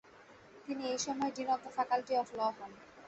তিনি এই সময়ে dean of the faculty of law হন ।